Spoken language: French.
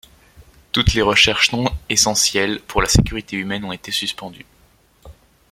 Toutes les recherches non-essentielles pour la sécurité humaine ont été suspendues.